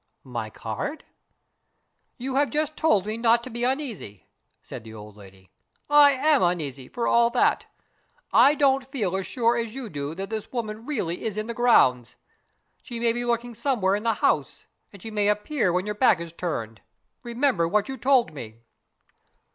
"My card?" "You have just told me not to be uneasy," said the old lady. "I am uneasy, for all that. I don't feel as sure as you do that this woman really is in the grounds. She may be lurking somewhere in the house, and she may appear when your back in turned. Remember what you told me."